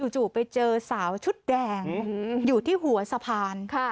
จู่ไปเจอสาวชุดแดงอยู่ที่หัวสะพาน